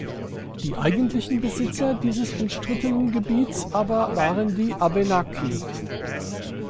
Die eigentlichen Besitzer dieses umstrittenen Gebiets aber waren die Abenaki.